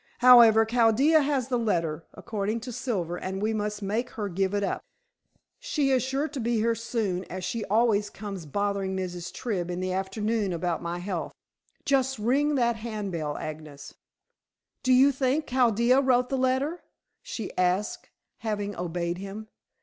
However, Chaldea has the letter, according to Silver, and we must make her give it up. She is sure to be here soon, as she always comes bothering Mrs. Tribb in the afternoon about my health. Just ring that hand bell, Agnes." "Do you think Chaldea wrote the letter?" she asked, having obeyed him.